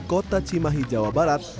kota cimahi jawa barat